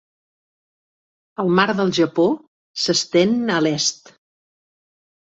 El mar del Japó s'estén a l'est.